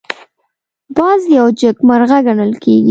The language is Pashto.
باز یو جګمرغه ګڼل کېږي